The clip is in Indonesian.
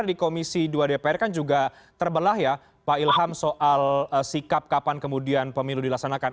di komisi dua dpr kan juga terbelah ya pak ilham soal sikap kapan kemudian pemilu dilaksanakan